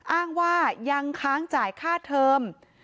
อ้างว่ายังค้างจ่ายค่าเทอม